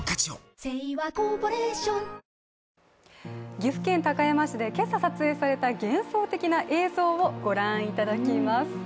岐阜県高山市で今朝撮影された幻想的な映像をご覧いただきます。